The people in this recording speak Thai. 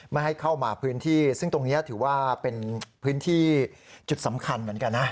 ไม่ให้เข้ามาพื้นที่ซึ่งตรงนี้ถือว่าเป็นพื้นที่จุดสำคัญเหมือนกันนะ